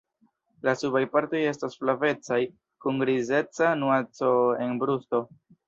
La subaj partoj estas flavecaj, kun grizeca nuanco en brusto.